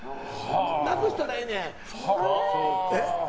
なくしたらええねん。